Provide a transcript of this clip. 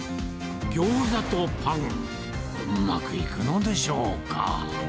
ギョーザとパン、うまくいくのでしょうか。